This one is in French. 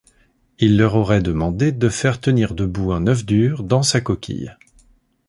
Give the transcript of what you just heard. Il leur aurait demandé de faire tenir debout un œuf dur dans sa coquille.